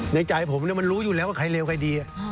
ในใจผมมันรู้อยู่แล้วว่าใครเลวใครดี